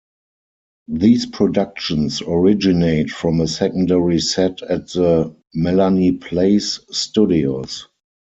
These productions originate from a secondary set at the Melanie Place studios.